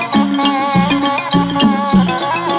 กลับมารับทราบ